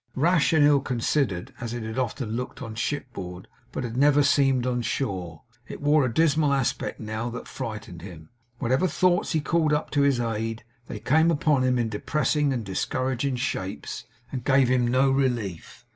Rash and ill considered as it had often looked on shipboard, but had never seemed on shore, it wore a dismal aspect, now, that frightened him. Whatever thoughts he called up to his aid, they came upon him in depressing and discouraging shapes, and gave him no relief.